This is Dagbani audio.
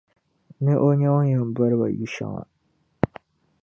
ni o nya o ni yɛn boli ba yu’ shɛŋa.